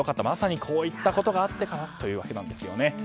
まさに、こういうことがあってということなんですね。